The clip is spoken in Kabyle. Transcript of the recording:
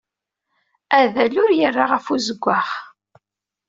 Adal ur yerra ɣef uzeggaɣ.